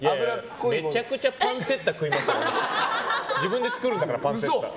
めちゃくちゃパンツェッタ食いますよ。